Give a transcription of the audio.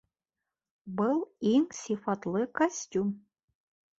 Был иң сифатлы костюм